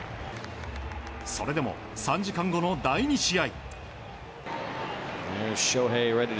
それでも３時間後の第２試合。